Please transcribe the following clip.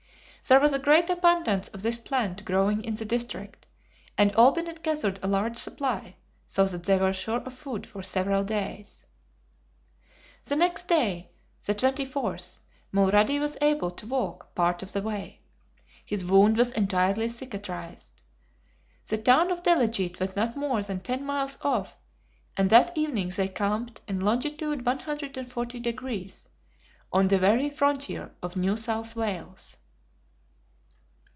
There was a great abundance of this plant growing in the district, and Olbinett gathered a large supply, so that they were sure of food for several days. The next day, the 24th, Mulrady was able to walk part of the way. His wound was entirely cicatrized. The town of Delegete was not more than ten miles off, and that evening they camped in longitude 140 degrees, on the very frontier of New South Wales.